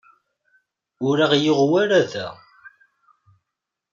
Ur aɣ-yuɣ wara da.